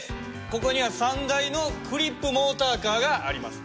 ここには３台のクリップモーターカーがあります。